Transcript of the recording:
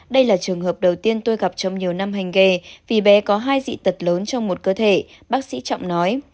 đây là trường hợp đầu tiên tôi gặp trong nhiều năm hành nghề vì bé có hai dị tật lớn trong một cơ thể bác sĩ trọng nói